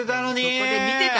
そこで見てたから。